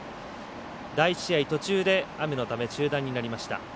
第１試合、途中で雨のため中断になりました。